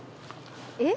えっ？